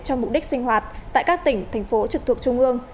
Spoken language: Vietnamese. cho mục đích sinh hoạt tại các tỉnh thành phố trực thuộc trung ương